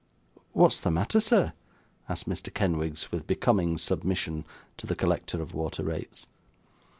'What's the matter, sir?' asked Mr. Kenwigs, with becoming submission to the collector of water rates.